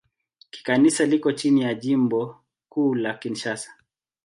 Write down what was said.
Kikanisa liko chini ya Jimbo Kuu la Kinshasa.